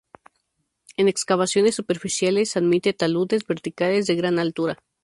En excavaciones superficiales admite taludes verticales de gran altura.